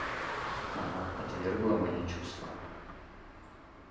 Она отвергла мои чувства.